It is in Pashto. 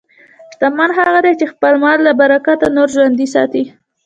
شتمن هغه دی چې د خپل مال له برکته نور ژوندي ساتي.